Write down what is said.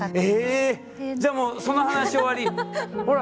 じゃもうその話終わり。